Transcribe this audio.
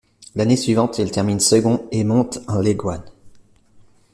L'année suivante, il termine second et monte en League One.